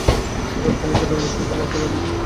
গ্রেফতার ও মৃত্যুদন্ডের সংখ্যা বাড়তে লাগল।